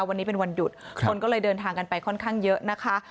วันนี้เป็นวันหยุดคนก็เลยเดินทางกันไปค่อนข้างเยอะนะคะ